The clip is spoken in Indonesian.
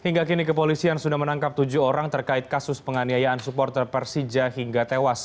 hingga kini kepolisian sudah menangkap tujuh orang terkait kasus penganiayaan supporter persija hingga tewas